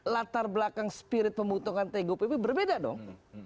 latar belakang spirit pembutuhkan tgupp berbeda dong